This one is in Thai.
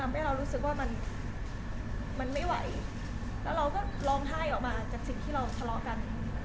ให้เรารู้สึกว่ามันไม่ไหวแล้วเราก็ร้องไห้ออกมาจากสิ่งที่เราทะเลาะกัน